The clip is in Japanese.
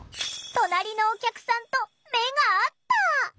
隣のお客さんと目が合った。